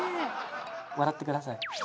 笑ってください。